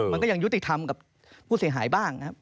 มันก็ยังยุติธรรมกับผู้เสียหายบ้างครับ